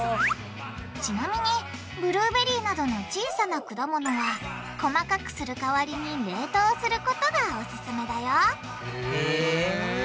ちなみにブルーベリーなどの小さな果物は細かくするかわりに冷凍することがオススメだよへぇ。